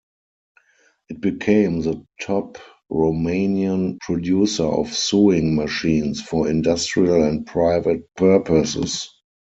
It became the top Romanian producer of sewing machines for industrial and private purposes.